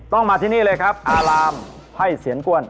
ต้องมาที่นี่เลยครับอารามไทยเศียรก้วน